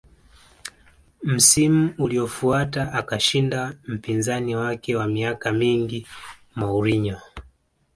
Msimu uliofuata akamshinda mpinzani wake wa miaka mingi Mourinho